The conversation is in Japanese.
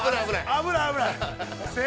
◆危ない危ない。